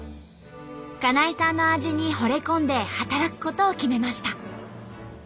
金井さんの味にほれ込んで働くことを決めました。